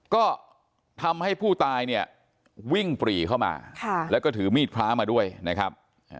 ก็ทำให้ผู้ตายเนี่ยวิ่งปรีเข้ามาแล้วก็ถือมีดพระมาด้วยนะครับ